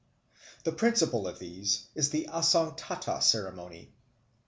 The principal of these is the Asongtata ceremony.